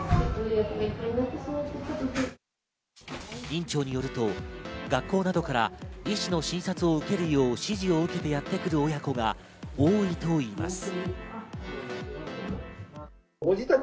院長によると、学校などから医師の診察を受けるよう指示を受けてやってくる親子が多いといいます。